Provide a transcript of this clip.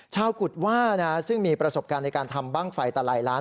กุฎว่าซึ่งมีประสบการณ์ในการทำบ้างไฟตลายล้าน